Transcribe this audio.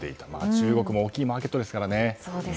中国も大きいマーケットですからね。